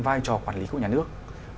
vai trò quản lý của nhà nước